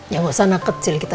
ya wakasana kecil kita